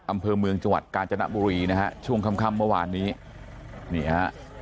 อำเภอเมืองจังหวัดกาญจนบุรีนะฮะช่วงค่ำค่ำเมื่อวานนี้นี่ฮะ